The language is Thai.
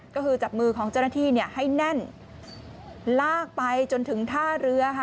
ก็คือจับมือของเจ้าหน้าที่เนี่ยให้แน่นลากไปจนถึงท่าเรือค่ะ